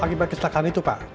akibat kesalahan itu pak